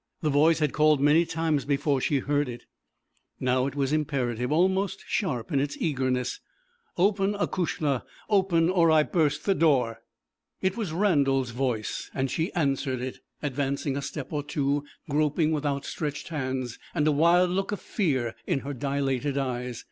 The voice had called many times before she heard it. Now it was imperative, almost sharp in its eagerness. 'Open, acushla, open, or I burst the door.' It was Randal's voice; and she answered it, advancing a step or two, groping with outstretched hands, and a wild look of fear in her dilated eyes.